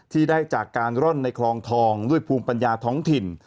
ที่ได้จากการร่อนในคลองทองด้วยภูมิปัญญาท้องถิ่น